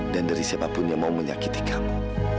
dan dari siapapun yang mau menyakiti kamu